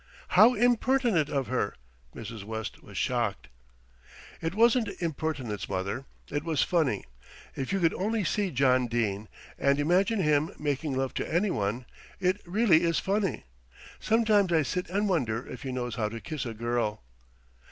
"How impertinent of her!" Mrs. West was shocked. "It wasn't impertinence, mother, it was funny. If you could only see John Dene, and imagine him making love to anyone. It really is funny. Sometimes I sit and wonder if he knows how to kiss a girl."